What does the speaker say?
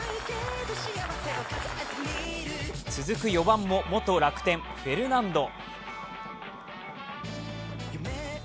続く４番も元楽天フェルナンド。